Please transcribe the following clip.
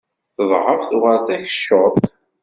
Teḍεef tuɣal d akeccuḍ.